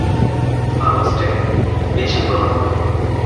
আগস্টে বেশি প্রবাহ থাকে।